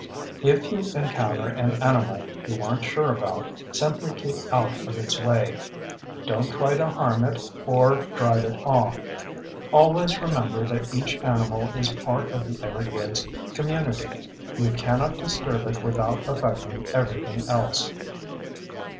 If you encounter an animal you aren't sure about, simply keep out of its way; don't try to harm it or drive it off. Always remember that each animal is part of the Everglades community; you cannot disturb it without affecting everything else.